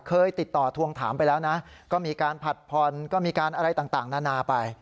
เคยติดต่อทวงถามไปแล้วนะก็มีการผัดผ่อนก็มีการอะไรต่างนานาไป